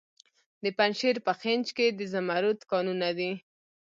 د پنجشیر په خینج کې د زمرد کانونه دي.